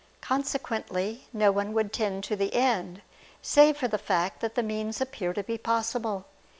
Consequently no one would tend to the end, save for the fact that the means appear to be possible.